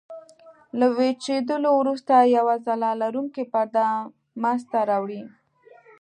له وچېدلو وروسته یوه ځلا لرونکې پرده منځته راوړي.